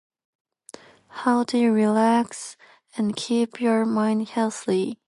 How do you relax and keep your mind healthy?